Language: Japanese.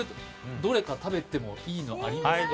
どれか食べてもいいのがありますか？